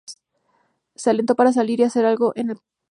Se la alentó para salir y hacer algo con el personaje.